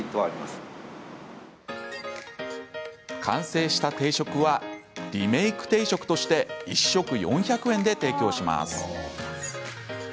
完成した定食はリメイク定食として１食４００円で提供します。